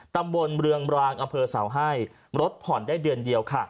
ตำบลเมืองรางอำเภอเสาให้รถผ่อนได้เดือนเดียวค่ะ